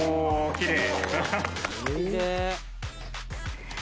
きれい！